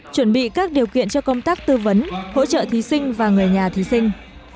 chuẩn bị các điều kiện cho công tác tư vấn hỗ trợ thí sinh và người nhà thí sinh